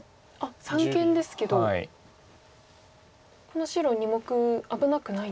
三間ですけどこの白２目危なくないんですか。